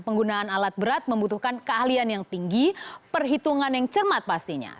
penggunaan alat berat membutuhkan keahlian yang tinggi perhitungan yang cermat pastinya